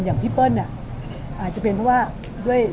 อย่างพี่เปิ้ลอาจจะเป็นเพราะว่าด้วย